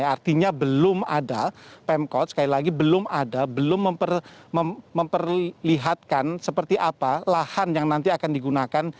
artinya belum ada pemkot sekali lagi belum ada belum memperlihatkan seperti apa lahan yang nanti akan digunakan